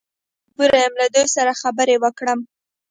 بیا نو مجبور یم له دوی سره خبرې وکړم.